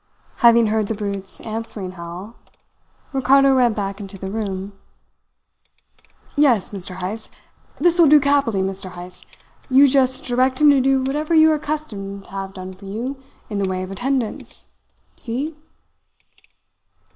Having heard the brute's answering howl, Ricardo ran back into the room. "'Yes, Mr. Heyst. This will do capitally, Mr. Heyst. You just direct him to do whatever you are accustomed to have done for you in the way of attendance. See?'